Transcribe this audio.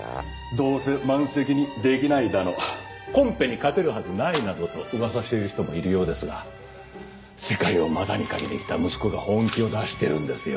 どうせ満席にできないだのコンペに勝てるはずないなどとうわさしている人もいるようですが世界を股に掛けてきた息子が本気を出してるんですよ。